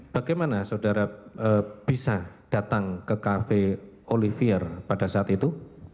bagaimana saudara bisa datang ke cafe olivier pada saat itu